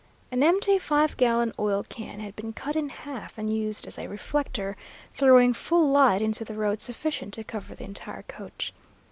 An empty five gallon oil can had been cut in half and used as a reflector, throwing full light into the road sufficient to cover the entire coach.